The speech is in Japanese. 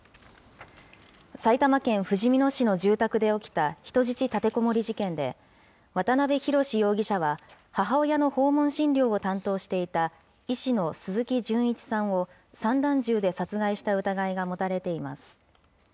埼玉県ふじみ野市の住宅で起きた人質立てこもり事件で、渡邊宏容疑者は、母親の訪問診療を担当していた医師の鈴木純一さんを散弾銃で殺害した疑いが持たれています。